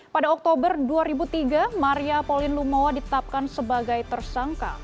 pada oktober dua ribu tiga maria pauline lumowa ditetapkan sebagai tersangka